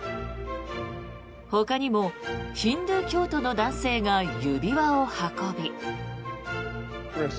ほかにもヒンドゥー教徒の男性が指輪を運び。